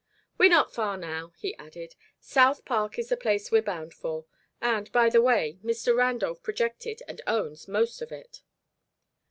"We're not far now," he added. "South Park is the place we're bound for; and, by the way, Mr. Randolph projected and owns most of it."